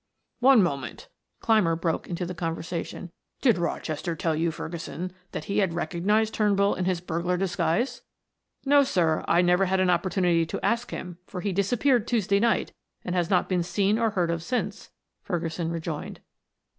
"One moment," Clymer broke into the conversation. "Did Rochester tell you, Ferguson, that he had recognized Turnbull in his burglar disguise?" "No, sir; I never had an opportunity to ask him, for he disappeared Tuesday night and has not been seen or heard of since," Ferguson rejoined.